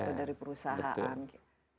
atau dari perusahaan